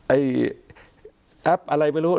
ไอ้แอปอะไรไม่รู้